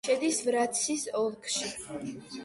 შედის ვრაცის ოლქში.